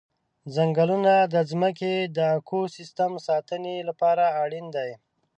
ځنګلونه د ځمکې د اکوسیستم ساتنې لپاره اړین دي.